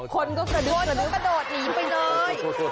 คนก็กระโดดหนีไปเลย